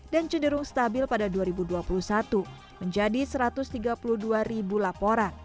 dan cenderung stabil pada dua ribu dua puluh satu menjadi satu ratus tiga puluh dua laporan